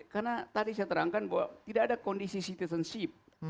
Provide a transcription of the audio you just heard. karena tadi saya terangkan bahwa tidak ada kondisi citizenship